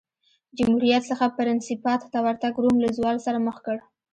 جمهوریت څخه پرنسیپات ته ورتګ روم له زوال سره مخ کړ